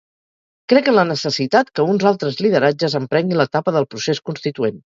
Crec en la necessitat que uns altres lideratges emprenguin l’etapa del procés constituent.